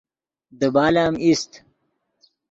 دیبال ام ایست